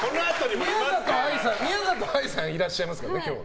宮里藍さんがいらっしゃいますからね、今日。